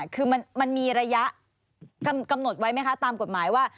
คือมันมีระยะกำหนดไว้ไหมคะตามกฎหมายว่า